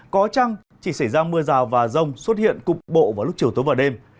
có chăng chỉ xảy ra mưa rào và rông xuất hiện cục bộ vào lúc chiều tối vào đêm